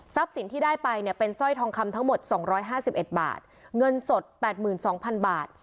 สินที่ได้ไปเนี่ยเป็นสร้อยทองคำทั้งหมด๒๕๑บาทเงินสด๘๒๐๐๐บาท